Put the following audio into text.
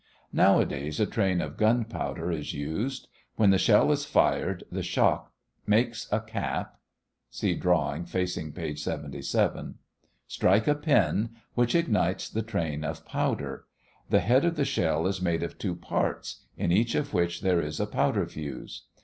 Nowadays a train of gunpowder is used. When the shell is fired, the shock makes a cap (see drawing facing page 77) strike a pin, E, which ignites the train of powder, A. The head of the shell is made of two parts, in each of which there is a powder fuse.